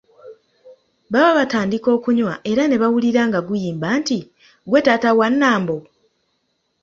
Baba batandika okunywa era nebawulira nga guyimba nti, “gwe taata wa Nambo?"